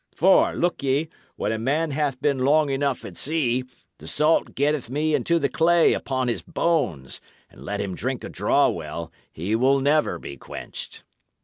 For, look ye, when a man hath been long enough at sea, the salt getteth me into the clay upon his bones; and let him drink a draw well, he will never be quenched."